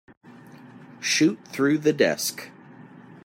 Shoot through the desk.